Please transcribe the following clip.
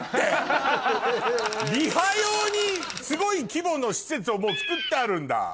リハ用にすごい規模の施設をもう作ってあるんだ？